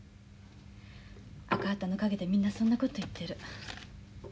赤旗の陰でみんなそんなこと言ってる。